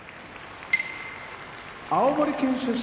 青森県出身